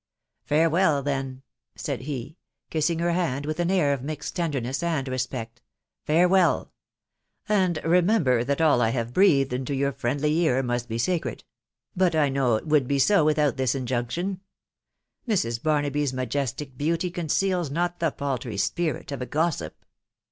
" Farewell then !" said he, kissing her hand with an air of mixed tenderness and respect, " farewell !••.. and remember that all I have breathed into your friendly ear must be sacred ;. 4 .. but I know it would be so without this injunction ; Mrs. Barnaby's majestic beauty conceals not the paltry spirit of a gossip